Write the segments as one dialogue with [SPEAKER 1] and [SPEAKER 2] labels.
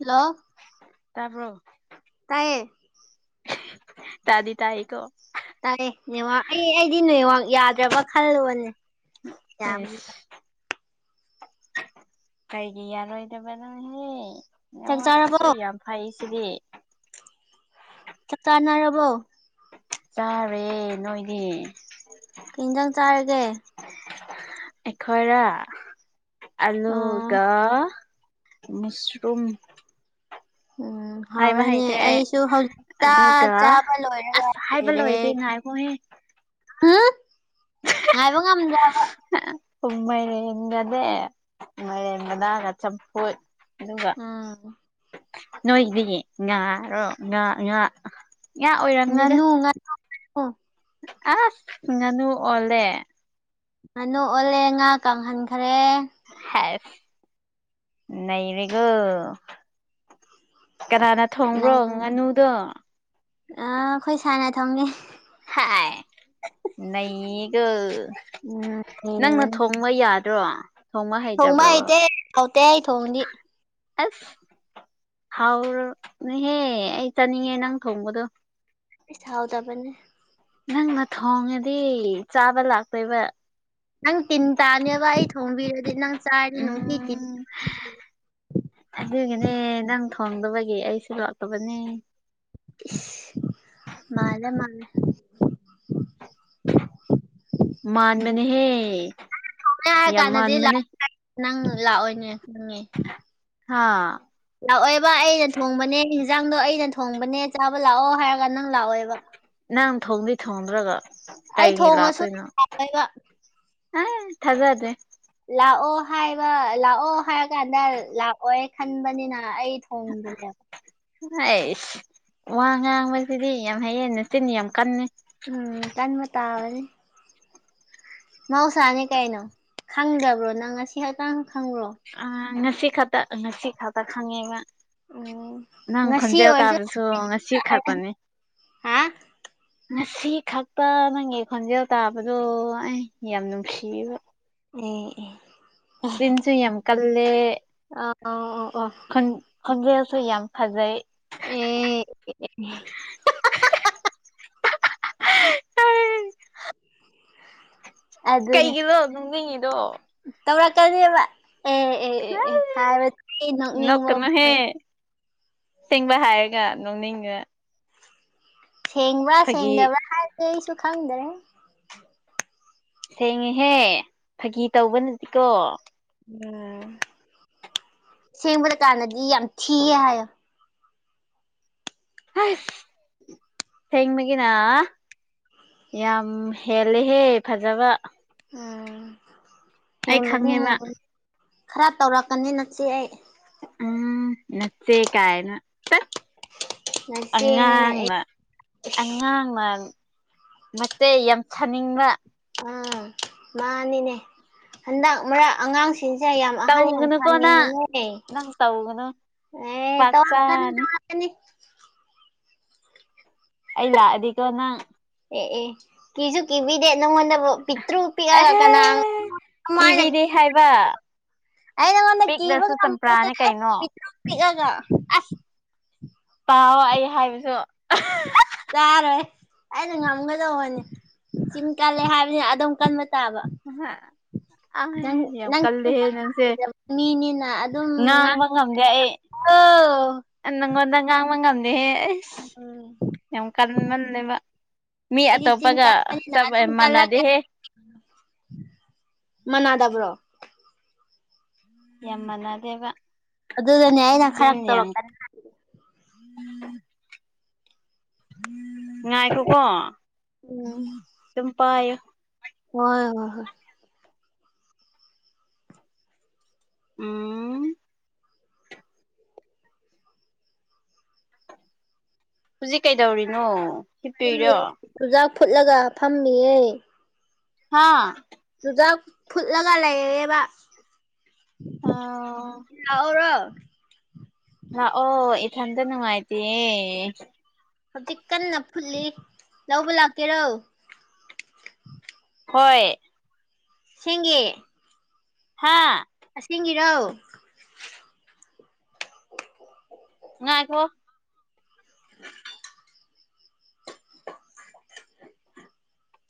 [SPEAKER 1] hello
[SPEAKER 2] ꯇꯥꯕ꯭ꯔꫭ
[SPEAKER 1] ꯇꯥꯏꯌꯦ
[SPEAKER 2] ꯇꯥꯗꯤ ꯇꯥꯏ ꯀꯣ
[SPEAKER 1] ꯇꯥꯏꯌꯦ ꯅꯦꯠ ꯋꯥꯥꯛ ꯑꯩ ꯑꯩꯗꯤ ꯅꯦꯠ ꯋꯥꯥꯛ ꯌꯥꯗ꯭ꯔꯕ ꯈꯜꯂꯨꯕꯅꯦ
[SPEAKER 2] ꯏꯁ
[SPEAKER 1] ꯌꯥꯕꯅꯤꯗ
[SPEAKER 2] ꯀꯩꯒꯤ ꯌꯥꯔꯣꯏꯗꯕꯅꯣꯍꯦ ꯅꯦꯠ
[SPEAKER 1] ꯆꯥꯛ
[SPEAKER 2] ꯋꯥꯛ
[SPEAKER 1] ꯆꯥꯔꯕꯣ
[SPEAKER 2] ꯑꯁꯨꯛ ꯌꯥꯝ ꯐꯩ ꯁꯤꯗꯤ
[SPEAKER 1] ꯆꯥꯛ-ꯆꯥꯅꯔꯕꯣ
[SPEAKER 2] ꯆꯥꯔꯦ ꯅꯣꯏꯗꯤ
[SPEAKER 1] ꯀꯩ ꯌꯦꯟꯖꯥꯡ ꯆꯥꯔꯒꯦ
[SPEAKER 2] ꯑꯩꯈꫭꯏꯔ
[SPEAKER 1] ꯑꯣ
[SPEAKER 2] ꯑꯂꯒꯥ ꯃꯁꯔꯨꯝ
[SPEAKER 1] ꯎꯝ ꯍꯧꯔꯅꯦ
[SPEAKER 2] ꯑꯩ
[SPEAKER 1] ꯑꯩꯁꯨ ꯍꯧꯖꯤꯛꯇ
[SPEAKER 2] ꯑꯗꯨꯒ
[SPEAKER 1] ꯆꯥꯕ ꯂꯣꯏꯔꯒ
[SPEAKER 2] ꯑꯁ ꯍꯥꯏꯕ
[SPEAKER 1] ꯂꯩꯔꯦ
[SPEAKER 2] ꯂꯣꯏꯗꯦ ꯉꯥꯏꯈꯣꯍꯦ
[SPEAKER 1] ꯍꯨꯝ ꯉꯥꯏꯕ ꯉꯝꯗ꯭ꯔꯕꫭ
[SPEAKER 2] ꯃꯩꯔꯦꯟꯒꯅꯦ ꯃꯩꯔꯦꯟ ꯃꯅꯥ ꯆꯝꯐꯨꯠ ꯑꯗꯨꯒ
[SPEAKER 1] ꯎꯝ
[SPEAKER 2] ꯅꯣꯏꯗꯤ ꯉꯥꯔꯣ ꯉꯥ ꯉꯥ ꯉꯥ
[SPEAKER 1] ꯉꯅꯨ ꯉꯅꯨ ꯉꯅꯨ
[SPEAKER 2] ꯑꯁꯨꯡ ꯉꯅꯨ ꯑꫭꯜꯂꯦ
[SPEAKER 1] ꯉꯥꯅꯨ ꯑꯣꯜꯂꯦ ꯉꯥ ꯀꯪꯍꯟꯈꯔꯦ
[SPEAKER 2] ꯍꯥꯏꯁ ꯅꯩꯔꯀꯦ ꯀꯅꯥꯅ ꯊꯣꯡꯕ꯭ꯔꯣ ꯉꯅꯨꯗꯣ
[SPEAKER 1] ꯑꯥ ꯑꯩꯈꯣꯏ ꯁꯥꯏꯅ ꯊꫭꯡꯉꯦ
[SPEAKER 2] ꯍꯥꯏ ꯅꯩꯌꯦꯀꫭ
[SPEAKER 1] ꯎꯝ
[SPEAKER 2] ꯅꯪꯅ ꯊꯣꯡ ꯕ ꯌꯥꯗ꯭ꯔꯣ ꯊꯣꯡꯕ
[SPEAKER 1] ꯊꫭꯡꯕ
[SPEAKER 2] ꯍꯩꯇ꯭ꯔꯕꯕ
[SPEAKER 1] ꯍꯩꯏꯇꯦ ꯍꯥꯎꯇꯦ ꯑꯩ ꯊꫭꯡꯑꯗꯤ
[SPEAKER 2] ꯑꯁ ꯍꯥꯎꯔꯨꯝꯅꯤꯍꯦ ꯑꯩ ꯆꯥꯅꯤꯡꯉꯦ ꯅꯪ ꯊꯣꯡꯕꯗꯣ
[SPEAKER 1] ꯏꯁ ꯍꯥꯎꯇꯥꯕꯅꯦ ꯁ
[SPEAKER 2] ꯅꯪꯅ ꯊꯣꯡꯉꯗꯤ ꯆꯥꯕ ꯂꯥꯛꯇꯣꯏꯕ
[SPEAKER 1] ꯅꯪ ꯇꯤꯟ ꯇꯥꯅꯦꯕ ꯑꯩ ꯊꯣꯡꯕꯤꯔꯗꯤ ꯅꯪ ꯆꯥꯏꯔꯤ ꯅꯨꯡꯇꯤ ꯇꯤꯟ
[SPEAKER 2] ꯎꯝ ꯑꯗꯨꯒꯤꯅꯦ ꯅꯪ ꯊꯣꯡꯗꯕꯒꯤ ꯑꯩꯁꯨ ꯂꯥꯛꯇꯕꯅꯦ
[SPEAKER 1] ꯏꯁ ꯃꯥꯜꯂꯦ ꯃꯥꯜꯂꯦ
[SPEAKER 2] ꯃꯥꯥꯟꯕꯅꯦꯍꯦ
[SPEAKER 1] ꯍꯥꯏꯔ
[SPEAKER 2] ꯌꯥꯝ
[SPEAKER 1] ꯀꯥꯟꯗꯗꯤ
[SPEAKER 2] ꯃꯥꯥꯟꯕꯅꯦ
[SPEAKER 1] ꯅꯪ ꯂꯥꯛꯑꯣꯏꯅꯦ ꯈꯪꯉꯦ
[SPEAKER 2] ꯍꯥꯥ
[SPEAKER 1] ꯂꯥꯛꯑꯣꯏꯕ ꯑꯩꯅ ꯊꯣꯡꯕꯅꯦ ꯌꯦꯟꯖꯥꯡꯗꯣ ꯑꯩꯅ ꯊꯣꯡꯕꯅꯦ ꯆꯥꯕ ꯂꯥꯛꯑꯣ ꯍꯥꯏꯔꯒ ꯅꯪ ꯂꯥꯛꯑꯣꯏꯕ
[SPEAKER 2] ꯅꯪ ꯊꯣꯡꯗꯤ ꯊꯣꯡꯗ꯭ꯔꯒ
[SPEAKER 1] ꯑꯩ
[SPEAKER 2] ꯀꯩꯒꯤ
[SPEAKER 1] ꯊꯣꯡꯉꯁꯨ
[SPEAKER 2] ꯂꯥꯛꯇꯨꯏꯅꯣ
[SPEAKER 1] ꯂꯥꯛꯑꯣꯏꯕ
[SPEAKER 2] ꯑꯥ ꯊꯖꯥꯗꯔꯦ
[SPEAKER 1] ꯂꯥꯛꯑꯣ ꯍꯥꯏꯕ ꯂꯥꯛꯑꯣ ꯍꯥꯏꯔꯀꯥꯟꯗ ꯂꯥꯛꯑꯣꯏ ꯈꯟꯕꯅꯤꯅ ꯑꯩ ꯊꯣꯡꯗꯅꯦꯕ
[SPEAKER 2] ꯍꯁ ꯋꯥ ꯉꯥꯡꯕꯁꯤꯗꯤ ꯌꯥꯝ ꯍꯩꯌꯦ ꯆꯤꯤꯟ ꯌꯥꯝ ꯀꯟꯅꯦ
[SPEAKER 1] ꯎꯝ ꯀꯟꯃ ꯇꯅꯤ ꯃꯍꯧꯁꯥꯅꯤ ꯀꯩꯅꯣ ꯈꯪꯗꯕ꯭ꯔꯣ ꯅꯪ ꯉꯁꯤ ꯍꯛꯇꯥꯡ ꯈꯪꯕ꯭ꯔꯣ
[SPEAKER 2] ꯑ ꯉꯁꯤ ꯈꯛꯇ ꯉꯁꯤ ꯈꯇ ꯈꯪꯉꯦꯕ
[SPEAKER 1] ꯎꯝ
[SPEAKER 2] ꯅꯪ
[SPEAKER 1] ꯉꯁꯤ
[SPEAKER 2] ꯈꯣꯟꯖꯦꯜꯦꯜ
[SPEAKER 1] ꯑꯣꯏꯔꯁꯨ
[SPEAKER 2] ꯇꯥꯗꯁꯨ ꯉꯁꯤ ꯈꯥꯛꯄꯅꯤ
[SPEAKER 1] ꯍꯥ
[SPEAKER 2] ꯉꯁꯤ ꯈꯛꯇ ꯅꯪꯒꯤ ꯈꯣꯟꯖꯦꯜ ꯇꯥꯕꯗꯣ ꯑꯩ ꯌꯥꯝ ꯅꯨꯡꯁꯤꯕ
[SPEAKER 1] ꯑꯣ
[SPEAKER 2] ꯐꯔꯦꯟꯁꯨ ꯌꯥꯝ ꯀꯜꯂꯦ
[SPEAKER 1] ꯑ ꯑ ꯑꯣ ꯑꯣ
[SPEAKER 2] ꯈꯣꯟꯖꯑꯁꯨ ꯌꯥꯝ ꯐꯖꯩ
[SPEAKER 1] ꯑꯦ
[SPEAKER 2] ꯀꯩꯒꯤꯅꯣ ꯅꯣꯛꯅꯤꯡꯉꯤꯗꯣ
[SPEAKER 1] ꯇꯧꯔꯛꯀꯅꯤꯕ ꯑꯦ ꯑꯦ ꯑꯦ ꯑꯦ ꯍꯥꯏꯕꯗꯤ ꯅꯣꯛꯅꯤꯡꯕ
[SPEAKER 2] ꯅꯣꯛꯀꯅꯨꯍꯦ ꯑꯁꯦꯡꯕ ꯍꯥꯏꯔꯒ ꯅꯣꯡꯅꯤꯡꯑꯦ
[SPEAKER 1] ꯁꯦꯡꯕ꯭ꯔꯥ
[SPEAKER 2] ꯐꯥꯒꯤ
[SPEAKER 1] ꯁꯦꯡꯗꯕ꯭ꯔꯥ ꯍꯥꯏꯕꯗꯤ ꯑꯩꯁꯨ ꯈꯪꯗ꯭ꯔꯦ
[SPEAKER 2] ꯁꯦꯡꯉꯦꯍꯦ ꯐꯥꯒꯤ ꯇꯧꯕꯅꯗꯤꯀꯣ
[SPEAKER 1] ꯎꯝ ꯁꯦꯡꯕꯗ ꯀꯥꯟꯗꯗꯤ ꯌꯥꯝ ꯊꯤꯌꯦ ꯍꯥꯏꯌꯣ
[SPEAKER 2] ꯍꯁ ꯁꯦꯡꯕꯒꯤꯅ ꯌꯥꯝ ꯍꯦꯜꯂꯦꯍꯦ ꯐꯖꯕ
[SPEAKER 1] ꯎꯝ
[SPEAKER 2] ꯑꯩ
[SPEAKER 1] ꯍꯦꯟꯕꯅꯤ
[SPEAKER 2] ꯈꯪꯉꯦꯕ
[SPEAKER 1] ꯍꯦꯟꯕꯅꯤ ꯈꯔ ꯇꯧꯔꯛꯀꯅꯤ ꯅꯆꯦ ꯑꯩ
[SPEAKER 2] ꯎꯝ ꯅꯆꯦ ꯀꯥꯏꯅ ꯇꯠ
[SPEAKER 1] ꯅꯆꯦꯅꯤꯅ ꯑꯩ
[SPEAKER 2] ꯑꯉꯥꯡꯅ ꯑꯉꯥꯡꯅ ꯃꯥꯆꯦ ꯌꯥꯝ ꯁꯥꯅꯤꯡꯕ
[SPEAKER 1] ꯎꯝ ꯃꯥꯅꯤꯅꯦ ꯍꯟꯗꯛ ꯃꯔꯛ ꯑꯉꯥꯡꯁꯤ ꯁꯤꯁꯤꯡꯁꯦ ꯌꯥꯝ ꯑꯍꯟ ꯌꯥꯝ
[SPEAKER 2] ꯇꯧꯒꯅꯨꯀꯣ ꯅꯪ
[SPEAKER 1] ꯁꯥꯅꯤꯡꯅꯦ
[SPEAKER 2] ꯅꯪ ꯇꯧꯒꯅꯨ
[SPEAKER 1] ꯑꯦ
[SPEAKER 2] ꯄꯥꯛ
[SPEAKER 1] ꯇꯧꯔꯛꯅꯤ
[SPEAKER 2] ꯆꯥꯅꯤ
[SPEAKER 1] ꯇꯧꯔꯛꯅꯤ
[SPEAKER 2] ꯑꯩ ꯂꯥꯛꯑꯗꯤ ꯀꯦ ꯅꯪ
[SPEAKER 1] ꯑꯦ ꯑꯦ ꯀꯤꯁꯨ ꯀꯤꯕꯤꯗꯦ ꯅꯪꯉꯣꯟꯗꯕꯨ ꯄꯤꯛꯇ꯭ꯔꯨ ꯄꯤꯛꯑꯒ
[SPEAKER 2] ꯑꯦꯍꯦ
[SPEAKER 1] ꯀꯅꯥ ꯀꯃꯥꯏꯅ
[SPEAKER 2] ꯀꯤꯕꯤꯗꯦ ꯍꯥꯏꯕ
[SPEAKER 1] ꯑꯩ ꯅꯉꯣꯟꯗ ꯀꯤꯕ
[SPEAKER 2] ꯄꯤꯛꯅꯁꯨ
[SPEAKER 1] ꯉꯝꯃ
[SPEAKER 2] ꯆꯝꯄ꯭ꯔꯥꯅꯦ ꯀꯩꯅꯣ
[SPEAKER 1] ꯄꯤꯀꯠꯔꯨ ꯄꯤꯛꯑꯒ
[SPEAKER 2] ꯑꯁ ꯇꯥꯎꯑꯣ ꯑꯩ ꯍꯥꯏꯕꯁꯨ
[SPEAKER 1] ꯇꯥꯔꯣꯏ ꯑꯩꯅ ꯉꯥꯡꯂꯒ ꯑꯣꯏꯅꯤ ꯆꯝ ꯀꯜꯂꯦ ꯍꯥꯏꯕꯅꯤꯅ ꯑꯗꯨꯝ ꯀꯟꯕ ꯇꯥꯕ
[SPEAKER 2] ꯍꯥ ꯑ
[SPEAKER 1] ꯅꯪ
[SPEAKER 2] ꯌꯥꯝ
[SPEAKER 1] ꯅꯪ ꯆꯤꯟ
[SPEAKER 2] ꯀꯜꯂꯦꯍꯦ
[SPEAKER 1] ꯀꯟꯕ
[SPEAKER 2] ꯅꯪꯁꯦ
[SPEAKER 1] ꯍꯩꯇꯕ ꯃꯤꯅꯤꯅ ꯑꯗꯨꯝ
[SPEAKER 2] ꯉꯥꯡꯕ ꯉꯝꯗꯦ ꯑꯩ
[SPEAKER 1] ꯉꯥꯡꯉꯣ
[SPEAKER 2] ꯅꯪꯉꯣꯗ ꯉꯥꯡꯕ ꯉꯝꯗꯦꯍꯦ ꯑꯩ
[SPEAKER 1] ꯎꯝ
[SPEAKER 2] ꯌꯥꯝ ꯀꯟꯃꯜꯂꯦꯕ ꯃꯤ
[SPEAKER 1] ꯑꯩꯗꯤ ꯆꯤꯟ
[SPEAKER 2] ꯑꯇꯣꯞꯄꯒ ꯆꯞ ꯃꯥꯟꯅꯗꯦꯍꯦ
[SPEAKER 1] ꯃꯅꯥꯗꯕ꯭ꯔꯣ
[SPEAKER 2] ꯌꯥꯝꯃꯅꯥꯗꯦꯕꯥ
[SPEAKER 1] ꯑꯗꯨꯗꯅꯦ ꯑꯩꯅ ꯈꯔ ꯇꯧꯔꯛꯀꯅꯤ
[SPEAKER 2] ꯉꯥꯏꯈꯣꯀꯣ
[SPEAKER 1] ꯎꯝ
[SPEAKER 2] ꯑꯗꯨꯝ ꯄꯥꯏꯌꯨ
[SPEAKER 1] ꯍꯣꯏ ꯍꯣꯏ ꯍꯣꯏ
[SPEAKER 2] ꯎꯝ ꯍꯧꯖꯤꯛ ꯀꯩꯗꯧꯔꯤꯅꯣ
[SPEAKER 1] ꯐꯃꯤ
[SPEAKER 2] ꯍꯤꯞꯄꯤꯔꯣ
[SPEAKER 1] ꯆꯨꯖꯥꯛ ꯐꯨꯠꯂꯒ ꯐꯝꯃꯤꯌꯦ
[SPEAKER 2] ꯍꯥꯥ
[SPEAKER 1] ꯆꯨꯖꯥꯛ ꯐꯨꯠꯂꯒ ꯂꯩꯌꯦꯕ
[SPEAKER 2] ꯑꯣ
[SPEAKER 1] ꯂꯛꯎꯔꯣ
[SPEAKER 2] ꯂꯥꯛꯀꯣ ꯏꯊꯟꯇ ꯅꯨꯡꯉꯥꯏꯇꯌꯦ
[SPEAKER 1] ꯍꯧꯖꯤꯛ ꯀꯟꯅ ꯐꯨꯠꯂꯤ ꯂꯧꯕ ꯂꯥꯛꯀꯦꯔꯣ
[SPEAKER 2] ꯍꯣꯏ
[SPEAKER 1] ꯁꯒꯤ
[SPEAKER 2] ꯍꯥꯥ
[SPEAKER 1] ꯑꯁꯦꯡꯒꯤꯔꯧ
[SPEAKER 2] ꯉꯥꯏꯈꯣ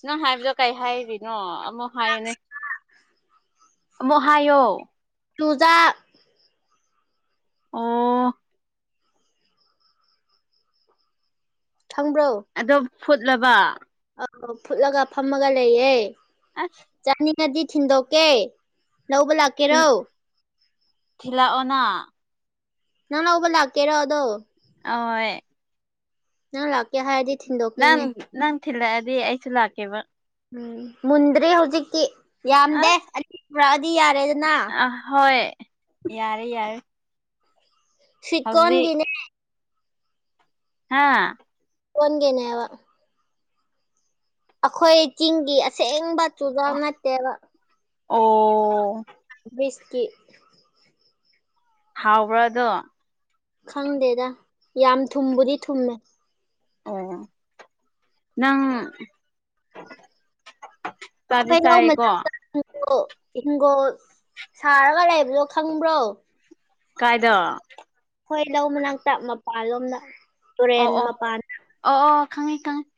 [SPEAKER 2] ꯅꯪ ꯍꯥꯏꯕꯗꯣ ꯀꯩ ꯍꯥꯏꯔꯤꯅꯣ ꯑꯃꯨꯛ ꯍꯥꯏꯌꯨꯅꯦ ꯑꯃꯨꯛ ꯍꯥꯏꯌꯣ
[SPEAKER 1] ꯀꯂꫭꯖꯥ
[SPEAKER 2] ꯑꯣ
[SPEAKER 1] ꯈꯪꯕ꯭ꯔꯣ
[SPEAKER 2] ꯑꯗꫭ ꯐꯨꯠꯂꯕ
[SPEAKER 1] ꯑ ꯐꯨꯠꯂꯒ ꯐꯝꯃꯒ ꯂꯩꯌꯦꯦ
[SPEAKER 2] ꯑꯁ
[SPEAKER 1] ꯆꯥꯅꯤꯡꯉꯗꯤ ꯊꯤꯟꯗꯣꯛꯀꯦ ꯂꯧꯕ ꯂꯥꯛꯀꯦꯔꯧ
[SPEAKER 2] ꯊꯤꯂꯛ ꯑꯣꯅ
[SPEAKER 1] ꯅꯪ ꯂꯧꯕ ꯂꯥꯛꯀꯦꯔꯣ ꯑꯗꯣ
[SPEAKER 2] ꯑꯣꯏ
[SPEAKER 1] ꯅꯪ ꯂꯥꯛꯀꯦ ꯍꯥꯏꯗꯤ ꯊꯤꯟꯗꫭꯛ
[SPEAKER 2] ꯅꯪ
[SPEAKER 1] ꯀꯦꯅꯦ
[SPEAKER 2] ꯅꯪ ꯊꯤꯜꯂꯛꯑꯗꯤ ꯑꯩꯁꯨ ꯂꯥꯛꯀꯦꯕ
[SPEAKER 1] ꯎꯝ ꯃꯨꯟꯗ꯭ꯔꯤ ꯍꯧꯖꯤꯛꯇꯤ ꯌꯥꯝꯗꯦ
[SPEAKER 2] ꯑꯁ
[SPEAKER 1] ꯑꯅꯤ ꯄꯨꯔꯛꯑꯗꯤ ꯌꯥꯔꯦꯗꯅ
[SPEAKER 2] ꯑ ꯍꯣꯏ ꯌꯥꯔꯦ ꯌꯥꯔꯦ ꯍꯧꯖꯤꯛ
[SPEAKER 1] ꯁꯀꯣꯟꯒꯤꯅꯦ
[SPEAKER 2] ꯍꯥꯥ
[SPEAKER 1] ꯑꯣꯟꯒꯦꯅꯦꯕ ꯑꯩꯈꯣꯏ ꯆꯤꯡꯒꯤ ꯑꯁꯦꯡꯕ ꯆꯨꯖꯥꯥꯛ ꯅꯠꯇꯦꯕ
[SPEAKER 2] ꯑꯣ
[SPEAKER 1] ꯃꯤꯁꯀꯤ
[SPEAKER 2] ꯍꯥꯎꯕꯔ ꯑꯗꫭ
[SPEAKER 1] ꯈꯪꯗꯦꯗ ꯌꯥꯝ ꯊꯨꯝꯕꯨꯗꯤ ꯊꯨꯝꯃꯦ
[SPEAKER 2] ꯑꯣ ꯅꯪ ꯆꯥꯗꯤ ꯆꯥꯏꯌꯦꯀꯣ
[SPEAKER 1] ꯑꯩꯈꫭꯏ ꯍꯣ ꯍꯤꯡꯒꯣꯜ ꯁꯥꯔꯒ ꯂꯩꯕꯗꯣ ꯈꯪꯕ꯭ꯔꯣ
[SPEAKER 2] ꯀꯥꯏꯗ
[SPEAKER 1] ꯑꯩꯈꯣꯏ ꯂꯧ ꯃꯅꯥꯛꯇ ꯃꯄꯥꯟꯂꯣꯝꯗ
[SPEAKER 2] ꯑꯣ
[SPEAKER 1] ꯇꯨꯔꯦꯟ
[SPEAKER 2] ꯑꯣ
[SPEAKER 1] ꯃꯄꯥꯟ
[SPEAKER 2] ꯑꯣ ꯑꯣ ꯈꯪꯉꯤ ꯈꯪꯉꯤ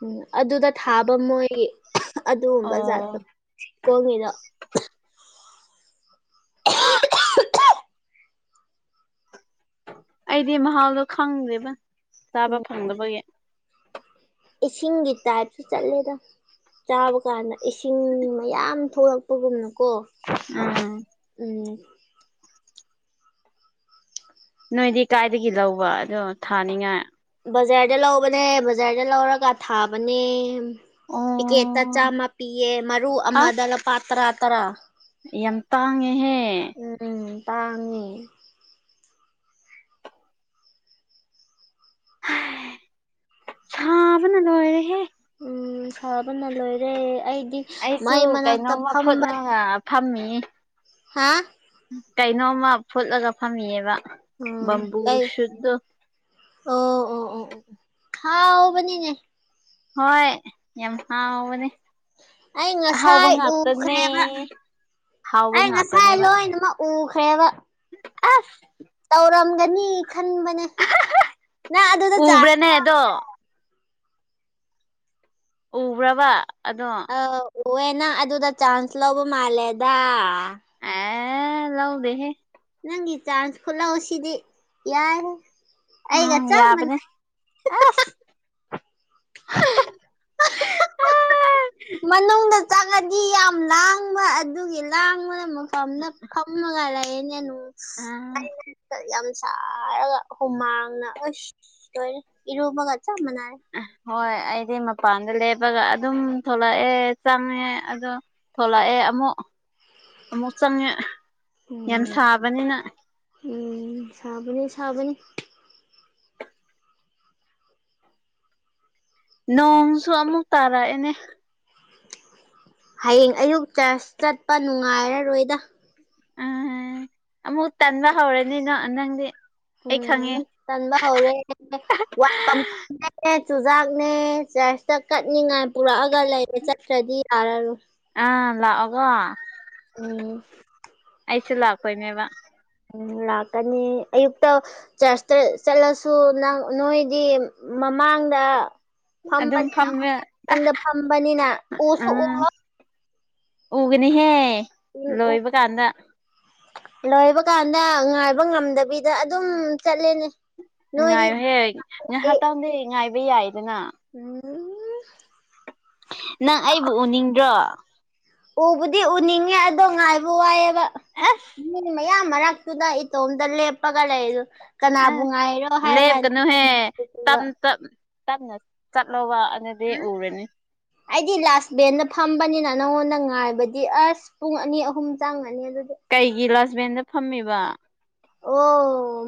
[SPEAKER 1] ꯎꯝ ꯑꯗꯨꯗ ꯊꯥꯕ ꯃꯣꯏꯒꯤ ꯑꯗꯨꯒꯨꯝꯕ ꯖꯥꯠꯄ
[SPEAKER 2] ꯑꯣ
[SPEAKER 1] ꯀꯣꯡꯉꯗꯣ
[SPEAKER 2] ꯑꯩꯗꯤ ꯃꯍꯥꯎꯗꯣ ꯈꯪꯗ꯭ꯦꯕ ꯆꯥꯕ
[SPEAKER 1] ꯎꯝ
[SPEAKER 2] ꯐꯪꯗꯕꯒꯤ
[SPEAKER 1] ꯏꯁꯤꯡꯒꯤ ꯇꯥꯏꯞꯇ ꯆꯠꯂꯦꯗ ꯆꯥꯕ ꯀꯥꯟꯗ ꯏꯁꯤꯡ ꯃꯌꯥꯝ ꯊꯣꯛꯂꯛꯄꯒꯨꯝꯅꯀꯣ
[SPEAKER 2] ꯑꯥ
[SPEAKER 1] ꯎꯝ
[SPEAKER 2] ꯅꯣꯏꯗꯤ ꯀꯥꯏꯗꯒꯤ ꯂꯧꯕ ꯑꯗꯣ ꯊꯥꯅꯤꯡꯉꯥꯏ
[SPEAKER 1] ꯕꯖꯥꯔꯗ ꯂꯧꯕꯅꯦ ꯕꯖꯥꯔꯗ ꯂꯧꯔꯒ ꯊꯥꯕꯅꯦ ꯄꯤꯀꯦꯠꯇ
[SPEAKER 2] ꯑꯣ
[SPEAKER 1] ꯆꯥꯝꯃ ꯄꯤꯌꯦ ꯃꯔꯨ
[SPEAKER 2] ꯑꯁ
[SPEAKER 1] ꯑꯃꯗ ꯂꯨꯄꯥ ꯇꯔꯥ ꯇꯔꯥ
[SPEAKER 2] ꯌꯥꯝ ꯇꯥꯡꯉꯦꯍꯦ
[SPEAKER 1] ꯎꯝ ꯇꯥꯡꯉ‌ꯦ
[SPEAKER 2] ꯁꯥꯄꯅ ꯂꯣꯏꯔ‌ꯦ ꯍꯦ
[SPEAKER 1] ꯎꯝ ꯁꯥꯕꯅ ꯂꯣꯏꯔꯦ ꯑꯩꯗꯤ
[SPEAKER 2] ꯑꯩꯁꯨ
[SPEAKER 1] ꯃꯩ ꯃꯅꯥꯛꯇ
[SPEAKER 2] ꯀꯩꯅꯣꯝꯃ ꯐꯨꯠꯅꯒ ꯐꯝꯃꯤ
[SPEAKER 1] ꯍꯥꯥ
[SPEAKER 2] ꯀꯩꯅꯣꯝꯃ ꯐꯨꯠꯂꯒ ꯐꯝꯃꯤꯑꯕ ꯕꯝꯕꯨ
[SPEAKER 1] ꯎꯝ
[SPEAKER 2] ꯁꯨꯠꯇꯨ
[SPEAKER 1] ꯀꯥꯏ ꯑꯣ ꯑꯣ ꯑꯣ ꯑꯣ ꯍꯥꯎꯕꯅꯤꯅꯦ
[SPEAKER 2] ꯍꯣꯏ ꯌꯥꯝ ꯍꯥꯥꯎꯕꯅꯦ
[SPEAKER 1] ꯑꯩ ꯉꯁꯥꯏ ꯎꯈ꯭ꯔꯦꯕ
[SPEAKER 2] ꯍꯥꯎꯕ
[SPEAKER 1] ꯑꯩ ꯉꯁꯥꯏ
[SPEAKER 2] ꯉꯥꯛꯇꯅꯦꯕ
[SPEAKER 1] ꯂꯣꯏꯅꯃꯛ ꯎꯈ꯭ꯔꯦꯕ
[SPEAKER 2] ꯑꯁ
[SPEAKER 1] ꯇꯧꯔꯝꯒꯅꯤ ꯈꯟꯕꯅꯦ ꯅꯪ ꯑꯗꯨꯗ ꯆꯥꯟꯁ [unintelligible]
[SPEAKER 2] ꯗꯣ ꯎꯕ꯭ꯔꯕ ꯑꯗꯣ
[SPEAKER 1] ꯎꯌꯦꯅ ꯑꯗꯨꯗ ꯆꯥꯟꯁ ꯂꯧꯕ ꯃꯥꯜꯂꯦꯗ
[SPEAKER 2] ꯂꯧꯗꯦ ꯍꯦ
[SPEAKER 1] ꯅꯪꯒꯤ ꯆꯥꯟꯁ ꯈꯨꯠꯂꯧꯁꯤꯗꯤ ꯌꯥꯏꯍꯦ ꯑꯩꯒ
[SPEAKER 2] ꯎꯝ
[SPEAKER 1] ꯆꯞ
[SPEAKER 2] ꯌꯥꯕꯅꯤ
[SPEAKER 1] ꯃꯥꯟꯅꯩ
[SPEAKER 2] ꯑꯁ
[SPEAKER 1] [unintelligible]
[SPEAKER 2] [unintelligible]
[SPEAKER 1] ꯃꯅꯨꯡꯗ ꯆꯪꯂꯗꯤ ꯌꯥꯝ ꯂꯥꯡꯕ ꯑꯗꯨꯒꯤ ꯂꯥꯡꯕꯅ ꯐꯝꯅ ꯐꯝꯂꯒ ꯂꯌꯦꯅꯦ [unintelligible]
[SPEAKER 2] [unintelligible]
[SPEAKER 1] ꯌꯥꯝ ꯁꯥꯔꯒ ꯍꯨꯃꯥꯡꯅ ꯑꯁ ꯂꯣꯏꯔꯦ ꯏꯔꯨꯕꯒ ꯆꯞ ꯃꯥꯟꯅꯔꯦ
[SPEAKER 2] ꯍꯣꯏ ꯑꯩꯗꯤ ꯃꯄꯥꯟꯗ ꯂꯦꯞꯄꯒ ꯑꯗꯨꯝ ꯊꯣꯛꯂꯛꯑꯦ ꯆꯪꯉꯦ ꯑꯗꯣ ꯊꯣꯛꯂꯛꯑꯦ ꯑꯃꯨꯛ ꯑꯃꯨꯛ ꯆꯪꯉꯦ ꯌꯥꯝ
[SPEAKER 1] ꯎꯝ
[SPEAKER 2] ꯁꯥꯕꯅꯤꯅ
[SPEAKER 1] ꯎꯝ ꯁꯥꯕꯅꯤ ꯁꯥꯕꯅꯤ
[SPEAKER 2] ꯅꯣꯡꯁꯨ ꯑꯃꯨꯛ ꯇꯥꯔꯛꯑꯦꯅꯦ
[SPEAKER 1] ꯍꯌꯦꯡ ꯑꯌꯨꯛ ꯆꯔ꯭ꯆ ꯆꯠꯄ ꯅꯨꯡꯉꯥꯏꯔꯔꯣꯏꯗ
[SPEAKER 2] ꯎꯝ ꯑꯃꯨꯛ ꯇꯟꯕ ꯍꯧꯔꯦꯅꯦ ꯅ ꯅꯪꯗꯤ ꯑꯩ
[SPEAKER 1] ꯎꯝ
[SPEAKER 2] ꯈꯪꯉꯦ
[SPEAKER 1] ꯑꯃꯨꯛ ꯇꯟꯕ ꯍꯧꯔꯦ [unintelligible] ꯆꯨꯖꯥꯛꯅꯦ ꯆꯔꯆꯇ ꯀꯠꯅꯤꯡꯉꯥꯏ ꯄꯨꯔꯛꯑꯒ ꯂꯩꯔꯦ ꯆꯠꯇꯔꯗꯤ ꯌꯥꯔꯔꯣꯏ
[SPEAKER 2] ꯑ ꯂꯥꯛꯑꯒ
[SPEAKER 1] ꯑꯣ
[SPEAKER 2] ꯑꯩꯁꯨ ꯂꯥꯛꯄꯩꯅꯦꯕ
[SPEAKER 1] ꯎꯝ ꯂꯥꯛꯀꯅꯤ ꯑꯌꯨꯛꯇ ꯆꯔꯆꯇ ꯆꯠꯂꯁꯨ ꯅꯣꯏꯗꯤ ꯃꯃꯥꯡꯗ
[SPEAKER 2] ꯑꯗꯨꯝ
[SPEAKER 1] ꯐꯝꯕꯅꯤꯅ
[SPEAKER 2] ꯐꯝꯃꯦ
[SPEAKER 1] ꯑꯩꯈꯣꯏꯅ ꯃꯅꯤꯡꯗ ꯐꯝꯕꯅꯤꯅ ꯎꯁꯨ
[SPEAKER 2] ꯎꯝ
[SPEAKER 1] ꯎꯔꯣꯏ
[SPEAKER 2] ꯎꯒꯅꯤꯍꯦ ꯂꯣꯏꯕ ꯀꯥꯟꯗ
[SPEAKER 1] [unintelligible] ꯂꯣꯏꯕ ꯀꯥꯟꯗ ꯉꯥꯏꯕ ꯉꯝꯗꯕꯤꯗ ꯑꯗꯨꯝ ꯆꯠꯂꯦꯅꯦ ꯅꯣꯏꯗꯤ
[SPEAKER 2] ꯉꯥꯏꯌꯣꯍꯦ ꯉꯥꯏꯍꯥꯛꯇꯪꯗꯤ ꯉꯥꯏꯕ ꯌꯥꯏꯗꯅ
[SPEAKER 1] ꯎꯝ
[SPEAKER 2] ꯅꯪ ꯑꯩꯕꯨ ꯎꯅꯤꯡꯗ꯭ꯔꯣ
[SPEAKER 1] ꯎꯕꯨꯗꯤ ꯎꯅꯤꯡꯉꯦ ꯑꯗꯣ ꯉꯥꯏꯕ ꯋꯥꯏꯌꯦꯕ
[SPEAKER 2] ꯑꯁ
[SPEAKER 1] ꯃꯤ ꯃꯌꯥꯝ ꯃꯔꯛ ꯇꯨꯗ ꯏꯇꯣꯝꯇ ꯂꯦꯞꯄꯒ ꯂꯩꯗꯨ
[SPEAKER 2] ꯑ ꯂꯦꯞꯒꯅꯨꯍꯦ
[SPEAKER 1] ꯀꯥꯟꯗ
[SPEAKER 2] [unintelligible] ꯇꯞꯅ ꯆꯠꯂꯣꯕ ꯑꯗꯨꯗꯤ ꯎꯔꯅꯤ
[SPEAKER 1] ꯑꯩꯗꯤ ꯂꯥꯁ ꯕꯦꯟꯗ ꯐꯝꯕꯅꯤꯅ ꯅꯪꯉꯣꯟꯗ ꯉꯥꯏꯕꯗꯤ ꯑꯁ ꯄꯨꯡ ꯑꯅꯤ ꯑꯍꯨꯝ ꯆꯪꯉꯅꯤ ꯑꯗꯨꯗꯤ
[SPEAKER 2] ꯀꯩꯒꯤ ꯂꯥꯁ ꯕꯦꯟꯗ ꯐꯝꯃꯤꯕ
[SPEAKER 1] ꯑꯣ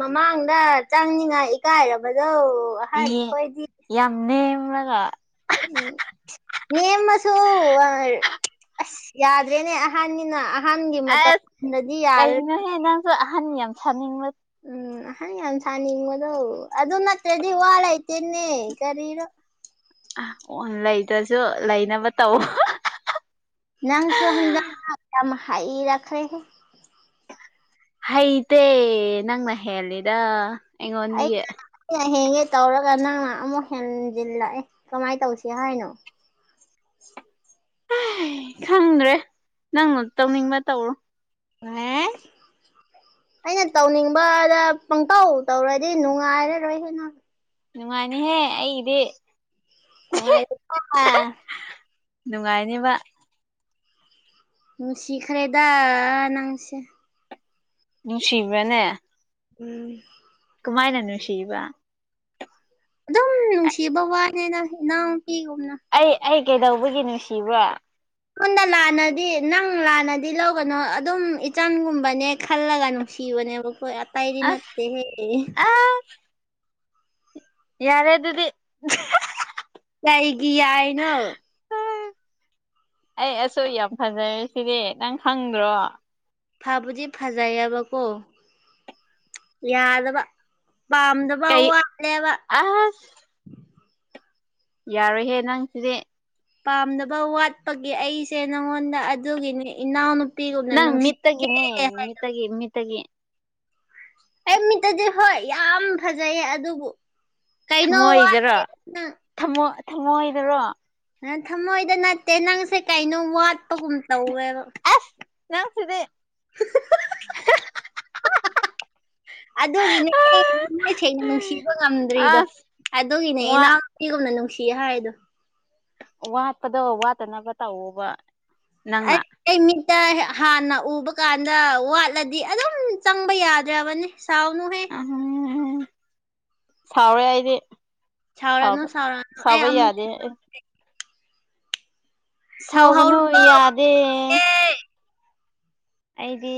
[SPEAKER 1] ꯃꯃꯥꯡꯗ ꯆꯪꯅꯤꯉꯥꯏ ꯏꯀꯥꯏꯔꯕꯗꯣ
[SPEAKER 2] ꯏ
[SPEAKER 1] ꯑꯍꯟ ꯈꯣꯏꯗꯤ
[SPEAKER 2] ꯌꯥꯝ ꯅꯦꯝꯃꯒ
[SPEAKER 1] ꯅꯦꯝꯃꯁꯨ ꯑꯁ ꯌꯥꯗ꯭ꯔꯦꯅꯦ ꯑꯍꯟꯅꯤꯅ ꯑꯍꯟꯒꯤ
[SPEAKER 2] ꯑꯁ
[SPEAKER 1] ꯃꯇꯧꯗꯗꯤ ꯌꯥꯔꯔꯣꯏ
[SPEAKER 2] ꯀꯩꯅꯣꯍꯦ ꯅꯪꯁꯨ ꯑꯍꯟ ꯌꯥꯝ ꯁꯥꯅꯤꯡꯕ
[SPEAKER 1] ꯎꯝ ꯑꯍꯜ ꯌꯥꯝ ꯁꯥꯅꯤꯡꯕꯗꯣ ꯑꯗꯨ ꯅꯛꯇ꯭ꯔꯗꯤ ꯋꯥ ꯂꯩꯇꯦꯅꯦ ꯀꯔꯤꯔꯣ
[SPEAKER 2] ꯑꯣ ꯂꯩꯗ꯭ꯔꯁꯨ ꯂꯩꯅꯕ ꯇꯧ
[SPEAKER 1] ꯅꯪꯁꯨ ꯍꯟꯗꯛ ꯃꯔꯛ ꯌꯥꯝꯅ ꯍꯩꯔꯛꯈꯔꯦꯍꯦ
[SPEAKER 2] ꯍꯩꯇꯦ ꯅꯪꯅ ꯍꯦꯟꯂꯤꯗ
[SPEAKER 1] ꯑꯩ ꯑ ꯍꯦꯟꯒꯦ ꯇꯧꯔꯒ ꯅꯪꯅ ꯑꯃꯨꯛ ꯍꯦꯟꯖꯤꯜꯂꯛꯑꯦ ꯀꯃꯥꯏꯅ ꯇꯧꯁꯤ ꯍꯥꯏꯅꯣ
[SPEAKER 2] ꯈꯪꯗ꯭ꯔꯦ ꯅꯪꯅ ꯇꯧꯅꯤꯡꯕ ꯇꯧꯔꯣ
[SPEAKER 1] ꯋꯥꯏ ꯑꯩꯅ ꯇꯧꯅꯤꯡꯕꯗ ꯄꯪꯇꯧ ꯇꯧꯔꯗꯤ ꯅꯨꯡꯉꯥꯏꯔꯔꯣꯏꯍ‌ꯦ ꯅꯪ
[SPEAKER 2] ꯅꯨꯡꯉꯥꯏꯅꯤꯍꯦ ꯑꯩꯗꯤ
[SPEAKER 1] ꯅꯨꯉꯥꯏꯔꯤ [unintelligible]
[SPEAKER 2] ꯅꯨꯡꯉꯥꯏꯅꯦꯕ
[SPEAKER 1] ꯅꯨꯡꯁꯤꯈꯔꯦꯗꯥ ꯅꯪꯁ‌ꯦ
[SPEAKER 2] ꯅꯨꯡꯁꯤꯕ꯭ꯔꯥꯅꯦ
[SPEAKER 1] ꯎꯝ
[SPEAKER 2] ꯀꯃꯥꯏꯅ ꯅꯨꯡꯁꯤꯕ
[SPEAKER 1] ꯑꯗꯨꯝ ꯅꯨꯡꯁꯤꯕ ꯋꯥꯅꯤ ꯅꯪ ꯏꯅꯥꯎꯄꯤꯒꯨꯝꯅ
[SPEAKER 2] ꯑꯩ ꯑꯩ ꯀꯩꯗꯧꯕꯒꯤ ꯅꯨꯡꯁꯤꯕ
[SPEAKER 1] ꯄꯨꯟꯅ ꯂꯥꯟꯅꯗꯤ ꯅꯪ ꯂꯥꯟꯅꯗꯤ ꯂꯧꯒꯅꯨ ꯑꯗꯨꯝ ꯏꯆꯟꯒꯨꯝꯕꯅꯦ ꯈꯜꯂꯒꯅꯨꯡ ꯁꯤꯕꯅꯦꯕꯀ‌ꯣ ꯑꯇꯩꯗꯤ
[SPEAKER 2] ꯑꯁ
[SPEAKER 1] ꯅꯠꯇ‌ꯦꯍꯦ
[SPEAKER 2] ꯑꯁ ꯌꯥꯔꯦ ꯑꯗꯨꯗꯤ
[SPEAKER 1] ꯀꯩꯒꯤ ꯌꯥꯏꯅꯣ
[SPEAKER 2] ꯑꯩ ꯑꯁꯨ ꯌꯥꯝ ꯐꯖꯔꯦ ꯁꯤꯗꯤ ꯅꯪ ꯈꯪꯗ꯭ꯔꯣ
[SPEAKER 1] ꯐꯕꯨꯗꯤ ꯐꯖꯩꯌꯦꯕꯀꯣ ꯌꯥꯗꯕ ꯄꯥꯝꯗꯕ ꯈ꯭ꯔꯥ
[SPEAKER 2] ꯀꯩ
[SPEAKER 1] ꯋꯥꯠꯂ‌ꯦꯕ
[SPEAKER 2] ꯑꯁ ꯌꯥꯔꯣꯏꯍꯦ ꯅꯪꯁꯤꯗꯤ
[SPEAKER 1] ꯄꯥꯝꯗꯕ ꯋꯥꯠꯄꯒꯤ ꯑꯩꯁꯦ ꯅꯪꯉꯣꯟꯗ ꯑꯗꯨꯒꯤꯅꯤ ꯏꯅꯥꯎꯅꯨ
[SPEAKER 2] ꯅꯪ ꯃꯤꯠꯇꯒꯤꯅꯦ ꯃꯤꯠꯇꯒꯤ ꯃꯤꯠꯇꯒꯤ
[SPEAKER 1] ꯑꯩ ꯃꯤꯠꯇꯗꯤ ꯍꯣꯏ ꯌꯥꯝ ꯐꯖꯩꯌꯦ ꯑꯗꯨꯕꯨ ꯀꯩꯅꯣ ꯋꯥꯠ
[SPEAKER 2] ꯊꯝꯃꯣꯏꯗꯔꯣ ꯊꯝꯃꯣꯏ ꯊꯃ‌ꯣꯏꯗꯔꯣ
[SPEAKER 1] ꯑ ꯊꯃꯣꯏꯗ ꯅꯠꯇꯦ ꯅꯪꯁꯦ ꯀꯩꯅꯣꯝ ꯋꯥꯠꯄꯒꯨꯝ ꯇꯧꯋꯦꯕ
[SPEAKER 2] ꯅꯪꯁꯤꯗꯤ [unintelligible]
[SPEAKER 1] ꯑꯗꯨꯒꯤꯅꯦ ꯊꯃ‌ꯣꯏꯁꯦꯡꯅ ꯅꯨꯡꯁꯤꯕ ꯉꯝꯗ꯭ꯔꯤꯗꯣ
[SPEAKER 2] ꯑꯁ
[SPEAKER 1] ꯑꯗꯨꯒꯤꯅꯦ
[SPEAKER 2] ꯋꯥ
[SPEAKER 1] ꯏꯅꯥꯎ ꯄꯤꯒꯨꯝꯅ ꯅꯨꯡꯁꯤꯌ ꯍꯥꯏꯔꯤꯗ‌ꯣ
[SPEAKER 2] ꯋꯥꯠꯄꯗ ꯋꯥꯠꯇꯅꯕ ꯇꯧꯋ‌ꯣꯕ ꯅꯪꯅ
[SPEAKER 1] ꯑꯩ ꯑꯩ ꯃꯤꯠꯇ ꯍꯥꯟꯅ ꯎꯕ ꯀꯥꯟꯗ ꯋꯥꯠꯂꯗꯤ ꯑꯗꯨꯝ ꯆꯪꯕ ꯌꯥꯗ꯭ꯔꯕꯅꯤ ꯁꯥꯎꯅꯨ
[SPEAKER 2] ꯎꯝ ꯁꯥꯎꯔ‌ꯦ ꯑꯩꯗꯤ
[SPEAKER 1] ꯁꯥꯎꯔꯅꯨ
[SPEAKER 2] ꯁꯥꯕ
[SPEAKER 1] ꯁꯥꯎꯔꯅꯨ ꯑꯩ
[SPEAKER 2] ꯁꯥꯕ
[SPEAKER 1] ꯑꯃꯨꯛ
[SPEAKER 2] ꯌꯥꯗꯦ ꯑ‌ꯦ ꯁꯥꯎꯒꯅꯨ
[SPEAKER 1] ꯁꯥꯎꯍꯧꯔꯨꯀꯣ ꯑꯃꯨꯛ
[SPEAKER 2] ꯌꯥꯗꯦ
[SPEAKER 1] ꯀꯦ
[SPEAKER 2] ꯑꯩꯗꯤ